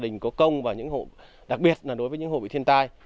hộ công và đặc biệt là đối với những hộ bị thiên tai